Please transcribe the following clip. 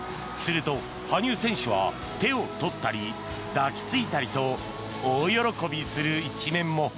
すると、羽生選手は手を取ったり抱きついたりと大喜びする一面も。